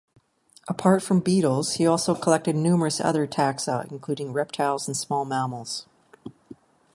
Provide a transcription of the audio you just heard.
Apart from beetles he also collected numerous other taxa including reptiles and small mammals.